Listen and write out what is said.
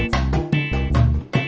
nanti gue datang